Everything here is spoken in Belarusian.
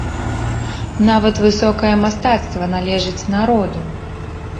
Нават высокае мастацтва належыць народу.